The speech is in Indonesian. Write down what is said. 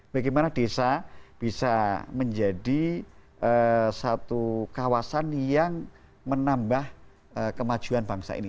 bagaimana desa bisa menjadi satu kawasan yang menambah kemajuan bangsa ini